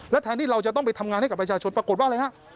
แทนที่เราจะต้องไปทำงานให้กับประชาชนปรากฏว่าอะไรฮะ